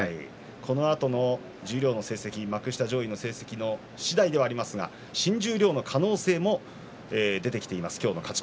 このあとも十両の成績、幕下上位の成績次第ではありますが新十両の可能性も出てきています。